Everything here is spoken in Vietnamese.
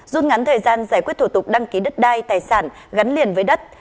rút ngắn thời gian giải quyết thủ tục đăng ký đất đai tài sản gắn liền với đất